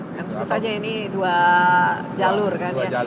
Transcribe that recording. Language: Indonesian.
nah itu saja ini dua jalur kan ya